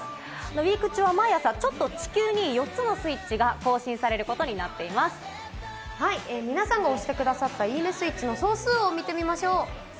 ウイーク中は毎朝、ちょっと地球に４つのスイッチが更新されるこ皆さんが押してくださったいいねスイッチの総数を見てみましょう。